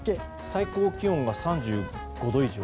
最高気温が３５度以上。